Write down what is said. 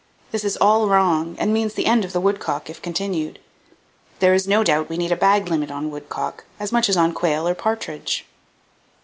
This is all wrong, and means the end of the woodcock, if continued. There is no doubt we need a bag limit on woodcock, as much as on quail or partridge."